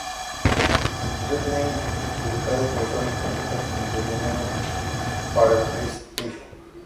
Entertainment y publicado por Sony Computer Entertainment para el PlayStation.